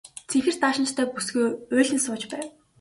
Цэнхэр даашинзтай бүсгүй уйлан сууж байв.